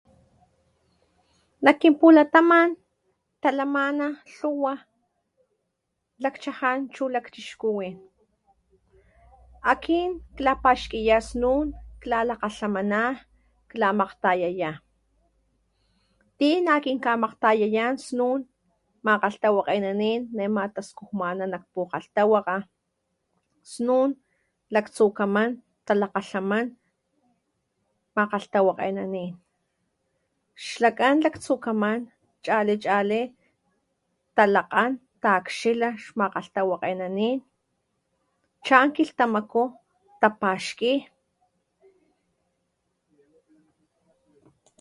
Nak kin pulataman talama lhuwa lakchajan chu lakchixkuwin akin klapaxkiya snun klalakgalhamana klamakgtayaya ti na kin kgamaktayayan snun makgalhtawakgenanin nema taskujmana nak pukgalhtawakga snun laktsukaman talakgalhaman makgalhtawakenanin. xlakan laktsukaman chali chali talakgan takxila xmakgalhtawakgenanin, chan kiltamaku tapaxki.